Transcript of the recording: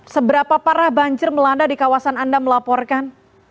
seberapa parah banjir melanda di kawasan anda melaporkan